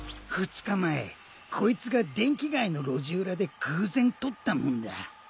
２日前こいつが電気街の路地裏で偶然撮ったもんだ。